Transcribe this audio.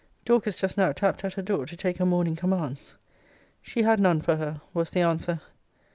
Dorcas just now tapped at her door, to take her morning commands. She had none for her, was the answer.